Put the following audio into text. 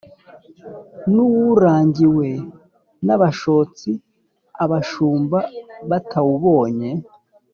nawurangiwe n'abashotsi, abashumba batawubonye.